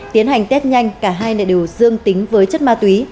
tiến hành test nhanh cả hai đều dương tính với chất ma túy